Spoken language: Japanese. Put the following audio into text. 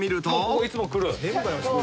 ここいつも来る？